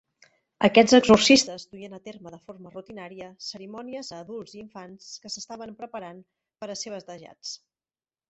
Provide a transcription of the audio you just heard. Aquests exorcistes duien a terme de forma rutinària cerimònies a adults i infants que s'estaven preparant per a ser batejats.